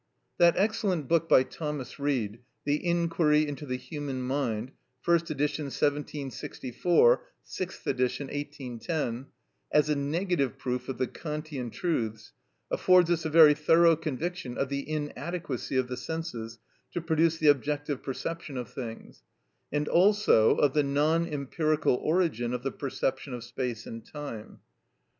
That excellent book by Thomas Reid, the "Inquiry into the Human Mind" (first edition, 1764; 6th edition, 1810), as a negative proof of the Kantian truths, affords us a very thorough conviction of the inadequacy of the senses to produce the objective perception of things, and also of the non empirical origin of the perception of space and time.